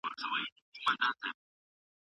تعصب کمزوري فکر څرګندوي